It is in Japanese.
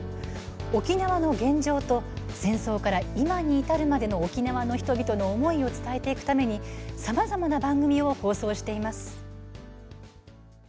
沖縄の現状と戦争から今に至るまでの沖縄の人々の思いを伝えていくためにさまざまな番組を放送しています。